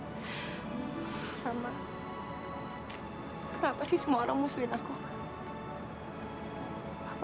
kenapa sih semua orang musuhin aku